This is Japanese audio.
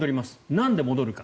なんで戻るか。